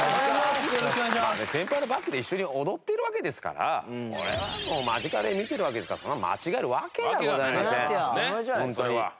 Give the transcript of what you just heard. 先輩のバックで一緒に踊ってるわけですからこれはもう間近で見てるわけですから間違えるわけがございませんホントに。